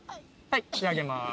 上げます。